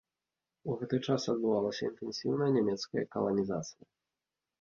У гэты час адбывалася інтэнсіўная нямецкая каланізацыя.